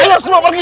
ayo semua pergi